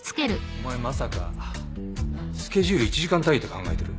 お前まさかスケジュール１時間単位で考えてる？